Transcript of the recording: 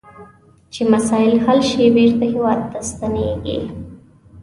چې مسایل حل شي بیرته هیواد ته ستنیږي.